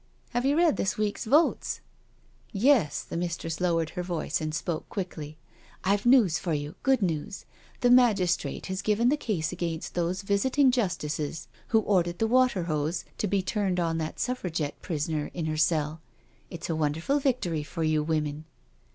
Have you read this week's Votes! "" Yes "—the mistress lowered her voice and spoke BEHIND PRISON BARS 263 quickly. " IVe news for you— good news. The magis trate has given the case against those Visiting Justices who ordered the water hose to be turned on that Suffragette prisoner in her cell — it's a wonderful victory for you women.